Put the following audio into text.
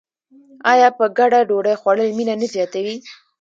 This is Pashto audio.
آیا په ګډه ډوډۍ خوړل مینه نه زیاتوي؟